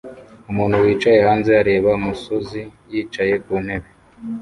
Umuntu wicaye hanze areba umusozi yicaye ku ntebe